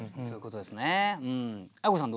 相子さん